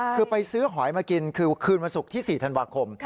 คือไปซื้อหอยมากินคือคืนวันศุกร์ที่๔ธันวาคม